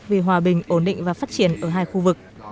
vì hòa bình ổn định và phát triển ở hai khu vực